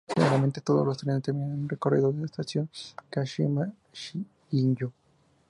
Generalmente todos los trenes terminan su recorrido en la Estación Kashima-Jingū.